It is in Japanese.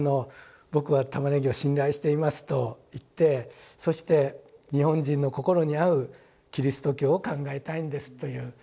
「ぼくは玉ねぎを信頼しています」と言ってそして「日本人の心にあう基督教を考えたいんです」という。